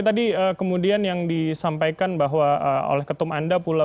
tadi kemudian yang disampaikan bahwa oleh ketum anda pula